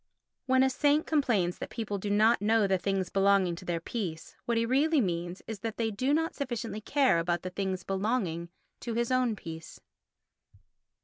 When a saint complains that people do not know the things belonging to their peace, what he really means is that they do not sufficiently care about the things belonging to his own peace.